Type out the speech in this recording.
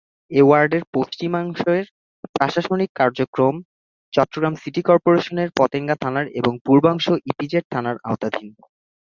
এ ওয়ার্ডের পশ্চিমাংশের প্রশাসনিক কার্যক্রম চট্টগ্রাম সিটি কর্পোরেশনের পতেঙ্গা থানার এবং পূর্বাংশ ইপিজেড থানার আওতাধীন।